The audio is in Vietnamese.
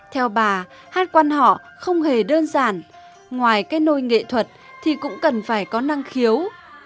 theo bà hát quan họ không hề đơn giản ngoài cái nôi nghệ thuật thì cũng cần phải có năng khiếu